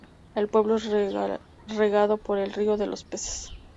El pueblo es regado por el Río de los Peces.